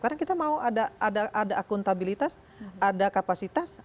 karena kita mau ada akuntabilitas ada kapasitas